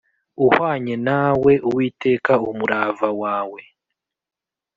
uhwanye nawe Uwiteka Umurava wawe